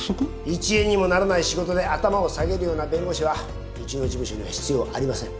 一円にもならない仕事で頭を下げるような弁護士はうちの事務所には必要ありません。